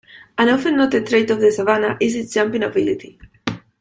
An often-noted trait of the Savannah is its jumping ability.